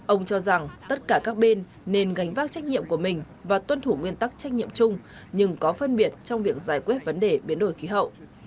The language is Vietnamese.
ông cho rằng tất cả các bên nên gánh vác trách nhiệm của mình và tuân thủ nguyên tắc trách nhiệm chung nhưng có phân biệt trong việc giải quyết vấn đề biến đổi khí hậu